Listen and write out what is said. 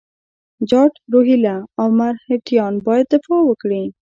جاټ، روهیله او مرهټیان باید دفاع وکړي.